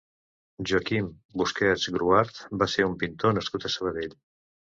Joaquim Busquets Gruart va ser un pintor nascut a Sabadell.